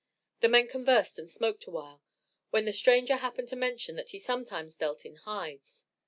The men conversed and smoked awhile, when the stranger happened to mention that he sometimes dealt in hides.